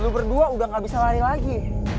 lu berdua udah gak bisa lari lagi